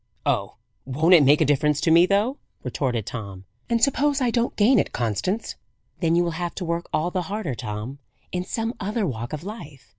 "Oh, won't it make a difference to me, though!" retorted Tom. "And suppose I don't gain it, Constance?" "Then you will have to work all the harder, Tom, in some other walk of life.